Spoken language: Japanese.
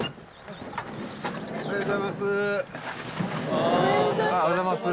おはようございます。